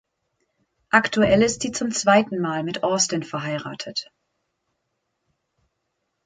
Aktuell ist sie zum zweiten Mal mit Austin verheiratet.